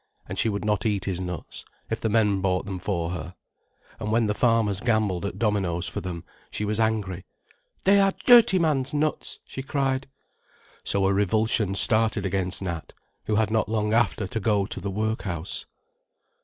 And she would not eat his nuts, if the men bought them for her. And when the farmers gambled at dominoes for them, she was angry. "They are dirty man's nuts," she cried. So a revulsion started against Nat, who had not long after to go to the workhouse.